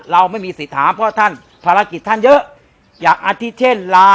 เราไม่มีสิทธิ์ถามเพราะท่านภารกิจท่านเยอะ